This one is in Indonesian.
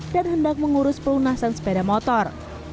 dan hendak mengurus pelunasan sepeda motor